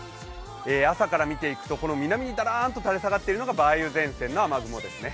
朝から見ていくと、南にだらーんと垂れ下がっているのが梅雨前線です。